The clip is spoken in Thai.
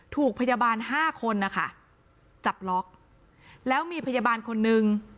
ถูกพยาบาลห้าคนนะคะจับล็อกแล้วมีพยาบาลคนนึง